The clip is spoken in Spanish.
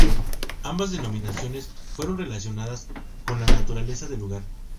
Ambas denominaciones fueron relacionadas con la naturaleza del lugar.